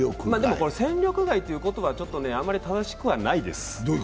でも、戦力外ということはあんまり正しくはないです。